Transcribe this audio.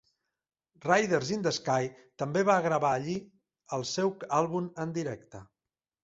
Riders in the Sky també va gravar allí el seu àlbum en directe.